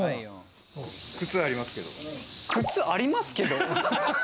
靴ありますけれども。